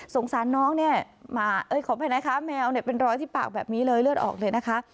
สารน้องเนี่ยมาขออภัยนะคะแมวเนี่ยเป็นรอยที่ปากแบบนี้เลยเลือดออกเลยนะคะ